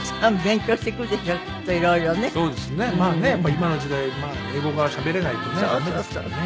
今の時代英語がしゃべれないとね駄目ですからね。